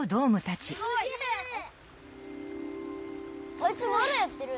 あいつまだやってる！